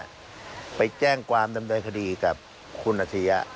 ใจ้แจ้งความและดำเนินคดีกับคุณทะเฮีย